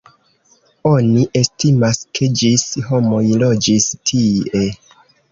Oni estimas, ke ĝis homoj loĝis tie.